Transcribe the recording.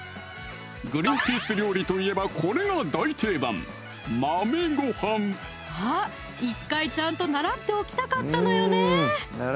グリンピース料理といえばこれが大定番あっ１回ちゃんと習っておきたかったのよね